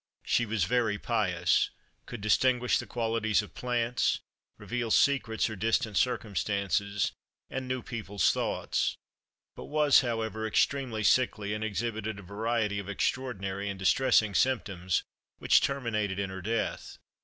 She was very pious; could distinguish the qualities of plants, reveal secrets or distant circumstances, and knew people's thoughts; but was, however, extremely sickly, and exhibited a variety of extraordinary and distressing symptoms, which terminated in her death.